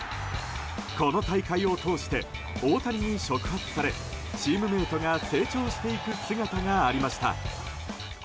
この大会を通して大谷に触発されチームメートが成長していく姿がありました。